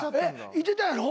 いてたやろ？